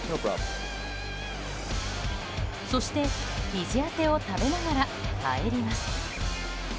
そして、ひじ当てを食べながら帰ります。